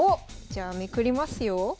じゃあめくりますよ。